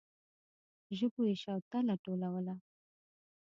ژبو يې شوتله ټولوله.